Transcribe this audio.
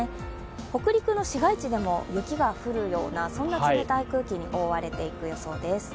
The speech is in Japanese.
北陸の市街地でも雪が降るような冷たい空気に覆われていく予想です。